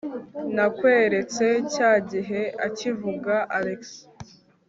nakweretse cyagihe akivuga alex